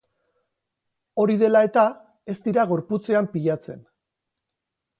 Hori dela eta, ez dira gorputzean pilatzen.